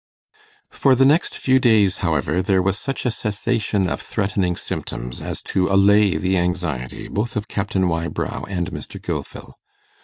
For the next few days, however, there was such a cessation of threatening symptoms as to allay the anxiety both of Captain Wybrow and Mr. Gilfil.